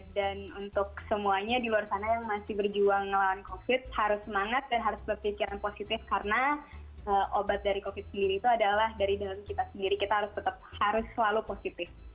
dan untuk semuanya di luar sana yang masih berjuang ngelawan covid harus semangat dan harus berpikiran positif karena obat dari covid sendiri itu adalah dari dalam kita sendiri kita harus tetap harus selalu positif